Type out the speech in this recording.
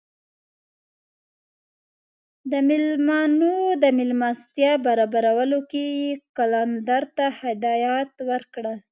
د میلمنو د میلمستیا برابرولو کې یې قلندر ته هدایات ورکړل.